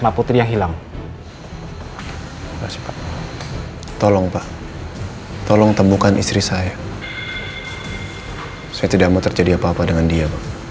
terima kasih pak tolong pak tolong temukan istri saya saya tidak mau terjadi apa apa dengan dia